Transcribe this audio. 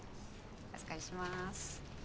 お預かりします。